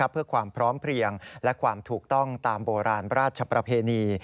เพื่อความพร้อมเพลียงและความถูกต้องตามโบราณราชประเพณี